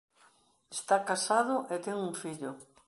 Está casado e ten un fillo.